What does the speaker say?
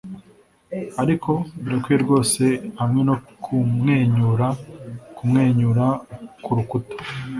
ariko, birakwiye rwose hamwe no kumwenyura kumwenyura kurukuta